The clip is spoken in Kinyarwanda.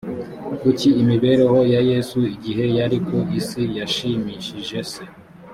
kuki imibereho ya yesu igihe yari ku isi yashimishije se